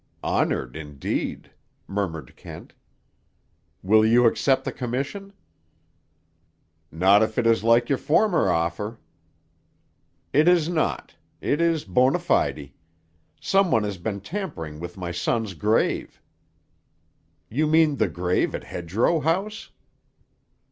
"Honored, indeed!" murmured Kent. "Will you accept the commission?" "Not if it is like your former offer." "It is not. It is bona fide. Some one has been tampering with my son's grave." "You mean the grave at Hedgerow House?"